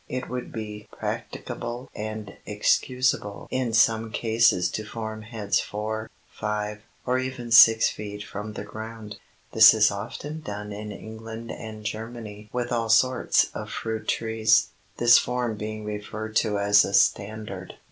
It would be practicable and excusable in some cases to form heads four, five, or even six feet from the ground. This is often done in England and Germany with all sorts of fruit trees, this form being referred to as a "standard."